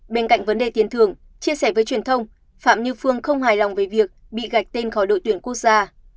bên cạnh vấn đề tiền thưởng chia sẻ với truyền thông phạm như phương không hài lòng về việc bị gạch tên khỏi đội tuyển quốc gia